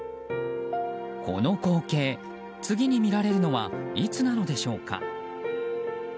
この光景、次に見られるのはいつなのでしょうか。